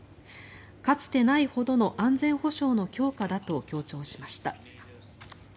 かつてないほどの安全保障の強化だと強調しました。